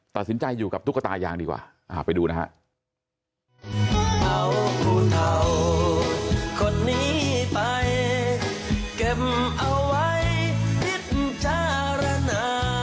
ตัดสินใจอยู่กับตุ๊กตายางดีกว่าไปดูนะฮะ